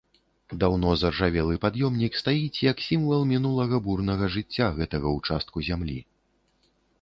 Даўно заржавелы пад'ёмнік стаіць як сімвал мінулага бурнага жыцця гэтага ўчастку зямлі.